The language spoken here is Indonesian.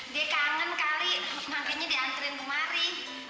dia kangen kali mampirnya diantriin kemari